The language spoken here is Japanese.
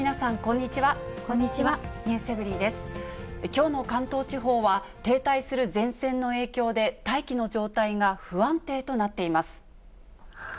きょうの関東地方は、停滞する前線の影響で、大気の状態が不安定となっています。